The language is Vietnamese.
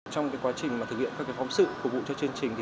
trong quá trình thực hiện các phóng sự phục vụ cho chương trình